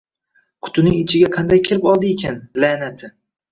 Qutining ichiga qanday kirib oldiykin la`nati